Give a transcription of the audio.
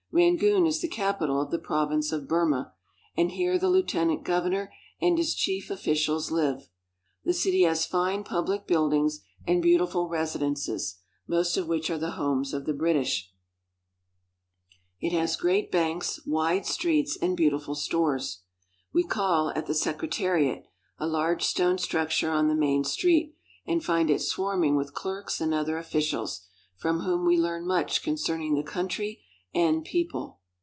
Rangoon is the capital of the Province of Burma, and here the lieuten ant governor and his chief officials live. The city has fine public buildings and beautiful residences, most of which IN BRITISH BURMA 213 are the homes of the British. It has great banks, wide streets, and beautiful stores. We call at the Secretariat, a large stone structure on the main street, and find it swarm ing with clerks and other officials, from whom we learn much concerning the country and people.